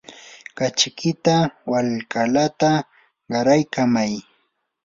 kachikita walkalata qaraykamay.